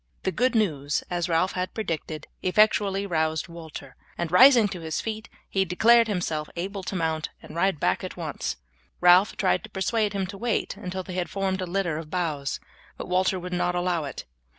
The good news, as Ralph had predicted, effectually roused Walter, and rising to his feet he declared himself able to mount and ride back at once. Ralph tried to persuade him to wait until they had formed a litter of boughs, but Walter would not allow it.